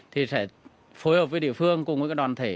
thì sẽ phối hợp với địa phương cùng với đoàn thể